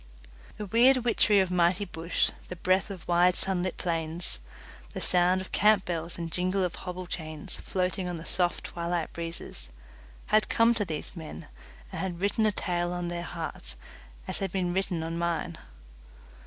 The weird witchery of mighty bush, the breath of wide sunlit plains, the sound of camp bells and jingle of hobble chains, floating on the soft twilight breezes, had come to these men and had written a tale on their hearts as had been written on mine.